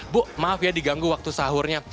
bu maaf ya diganggu waktu sahurnya